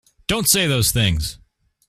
Don't say those things!